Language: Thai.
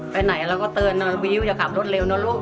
ไปไหนเราก็เตือนวิวอย่าขับรถเร็วเนอะลูก